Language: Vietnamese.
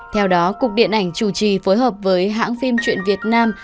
theo đó cục điện ảnh chủ trì phối hợp với hãng phim truyện việt nam